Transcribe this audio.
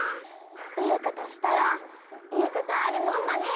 いいことしたらいいことあるもんだね。